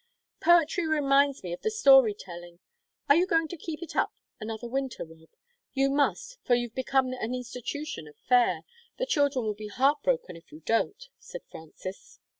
"Poetry reminds me of the story telling; are you going to keep it up another winter, Rob? You must, for you've become an institution of Fayre. The children will be heart broken if you don't," said Frances.